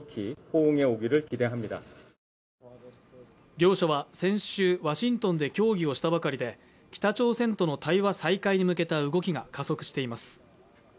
両者は先週、ワシントンで協議したばかりで北朝鮮との対話再開に向けた動きが加速しています。